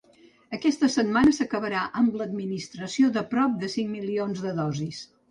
Aquesta setmana s’acabarà amb l’administració de prop de cinc milions de dosis.